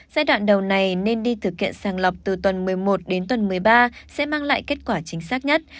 giai đoạn đầu này nên đi thực kiện sàng lọc từ tuần một mươi một đến tuần một mươi ba sẽ mang lại kết quả chính xác nhất